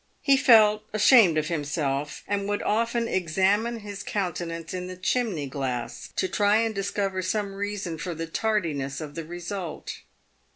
He felt ashamed of himself, and would often examine his countenance in the chimney glass to try and discover some reason for the tardiness of the result.